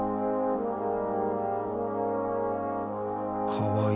かわいい。